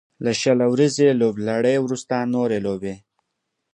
له شل اوريزې لوبلړۍ وروسته نورې لوبې